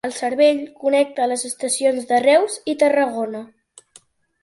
El servei connecta les estacions de Reus i Tarragona.